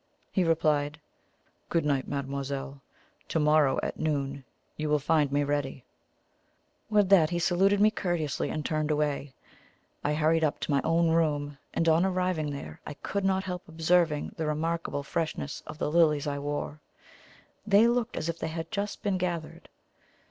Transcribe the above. He replied: "Good night, mademoiselle! To morrow at noon you will find me ready." With that he saluted me courteously and turned away. I hurried up to my own room, and on arriving there I could not help observing the remarkable freshness of the lilies I wore. They looked as if they had just been gathered.